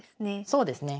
そうですね。